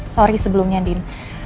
sorry sebelumnya din